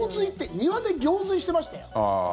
庭で行水してましたよ。